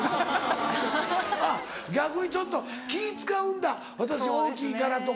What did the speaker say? あっ逆にちょっと気使うんだ私が大きいからとか。